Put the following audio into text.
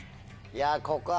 いやここ。